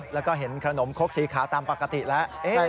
แล้วก็เห็นขนมคกสีขาวตามปกติแล้ว